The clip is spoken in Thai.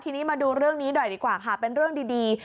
ทีนี้มาดูเรื่องนี้หน่อยดีกว่าค่ะเป็นเรื่องดี